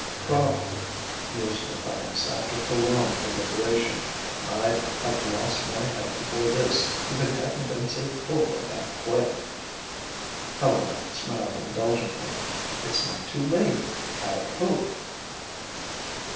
"Probably," mused Matthias after prolonged deliberation, "I'd have lost my head before this if it hadn't been so full of that play." Helena smiled indulgently. "It's not too late ... I hope."